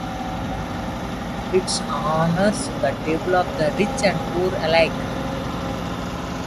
It honours the tables of the rich and poor alike.